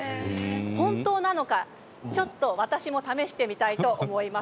本当なのか私も試してみたいと思います。